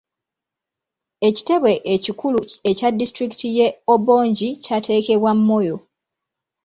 Ekitebe ekikulu ekya disitulikiti y'e Obongi kyateekebwa Moyo.